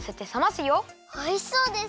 おいしそうです！